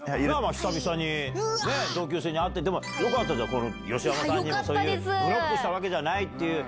久しぶりに、でも、よかったじゃん、吉山さんにもそういう、ブロックしたわけじゃないっていう。